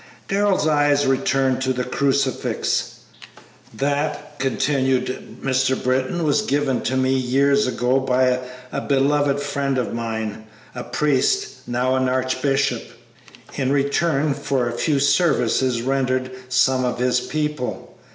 Darrell's eyes returned to the crucifix. "That," continued Mr. Britton, "was given me years ago by a beloved friend of mine a priest, now an archbishop in return for a few services rendered some of his people.